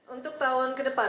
untuk tahun ke depan